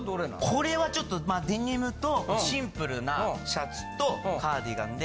これはちょっとデニムとシンプルなシャツとカーディガンで。